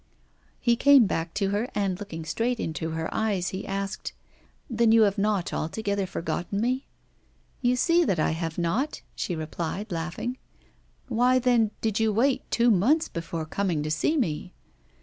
He came back to her, and, looking straight into her eyes, he asked: 'Then you have not altogether forgotten me?' 'You see that I have not,' she replied, laughing. 'Why, then, did you wait two months before coming to see me?